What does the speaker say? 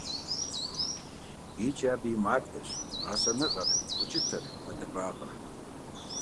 ИкӀи абы и мардэщ гъэсэныгъэр, укӀытэр, Ӏэдэбагъыр.